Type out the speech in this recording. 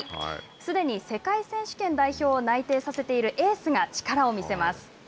すでに世界選手権代表を内定させているエースが力を見せます。